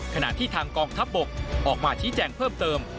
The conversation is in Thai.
ขณะที่ทางกองทัพบกออกมาชี้แจงเพิ่มเติม